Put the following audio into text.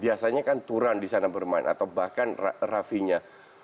biasanya kan turan di sana bermain atau bahkan raffinya